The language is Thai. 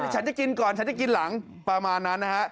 ฉันจะกินก่อนฉันจะกินหลังประมาณนั้นนะฮะ